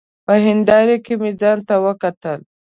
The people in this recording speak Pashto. په هېنداره کي مي ځانته وکتل !